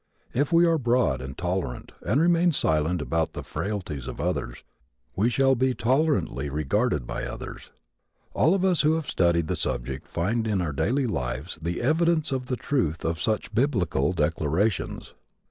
If we are broad and tolerant and remain silent about the frailties of others we shall be tolerantly regarded by others. All of us who have studied the subject find in our daily lives the evidence of the truth of such Biblical declarations.